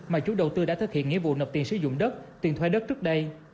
mà chủ đầu tư đã thực hiện nghĩa vụ nộp tiền sử dụng đất tiền thuê đất trước đây